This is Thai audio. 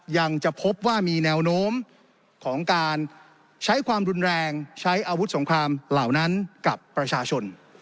ยังจะพบว่ามีแนวโน้มของการใช้ความรุนแรงใช้อาวุธสงครามเหล่านั้นกับประชาชน